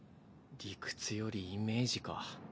理屈よりイメージか。